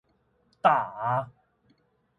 打